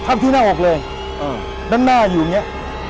ที่หน้าอกเลยด้านหน้าอยู่อย่างเงี้ย